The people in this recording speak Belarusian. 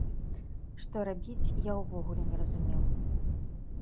Што рабіць, я ўвогуле не разумеў.